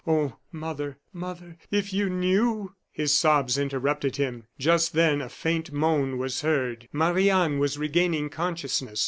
Oh, mother, mother, if you knew " His sobs interrupted him. Just then a faint moan was heard. Marie Anne was regaining consciousness.